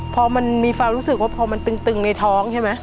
พอมันมีความรู้สึกว่าพอมันตึงในท้องใช่ไหม